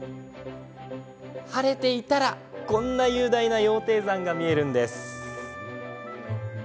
晴れていたら、こんな雄大な羊蹄山が見えるんです。